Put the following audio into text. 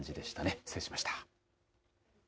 失礼しました。